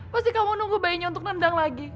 pasti kamu nunggu bayinya untuk nendang lagi